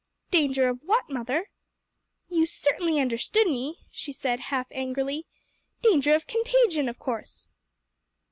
"Danger of what, mother?" "You certainly understood me," she said half angrily; "danger of contagion, of course."